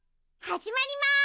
はじまります！